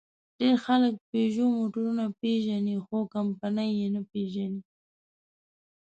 ډېر خلک پيژو موټرونه پېژني؛ خو کمپنۍ یې نه پېژني.